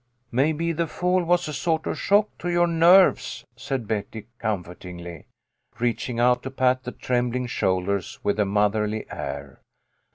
" Maybe the fall was a sort of shock to your nerves," said Betty, comfortingly, reaching out to pat the trembling shoulders with a motherly air.